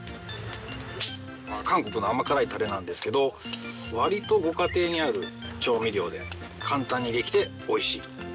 韓国の甘辛いタレなんですけど割とご家庭にある調味料で簡単にできて美味しい。